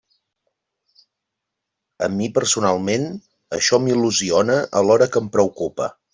A mi, personalment, això m'il·lusiona alhora que em preocupa.